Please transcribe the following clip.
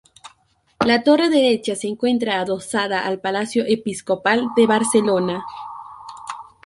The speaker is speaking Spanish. La torre derecha se encuentra adosada al Palacio Episcopal de Barcelona.